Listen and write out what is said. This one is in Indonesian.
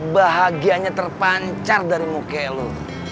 bahagianya terpancar dari muka lo